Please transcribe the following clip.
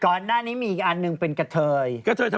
ก่อนหน้านี้มีอีกอันหนึ่งเป็นกะเทย